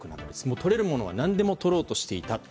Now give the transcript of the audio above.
とれるものは何でもとろうとしていたと。